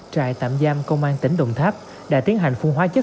trại tạm giam công an tỉnh đồng tháp đã tiến hành phun hóa chất